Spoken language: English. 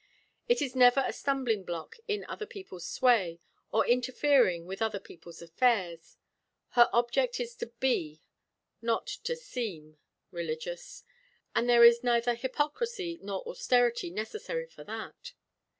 It is never a stumbling block in other people's way, or interfering with other people's affairs. Her object is to be, not to _seem, _religious; and there is neither hypocrisy nor austerity necessary for that.